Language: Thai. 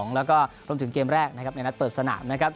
และก็รบถึงเกมแรกในนัดเปิดสนาม